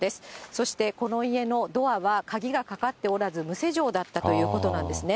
そしてこの家のドアは鍵がかかっておらず、無施錠だったということなんですね。